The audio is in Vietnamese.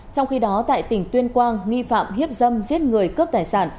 trong khi đó tại tỉnh tuyên quang nghi phạm hiếp dâm giết người cướp tài sản